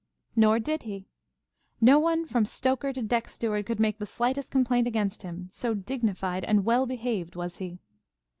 Nor did he. No one from stoker to deck steward could make the slightest complaint against him, so dignified and well behaved was he.